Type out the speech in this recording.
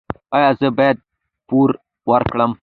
ایا زه باید پور ورکړم؟